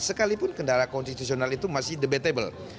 sekalipun kendala konstitusional itu masih debatable